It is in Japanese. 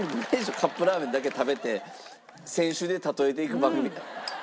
カップラーメンだけ食べて選手で例えていく番組。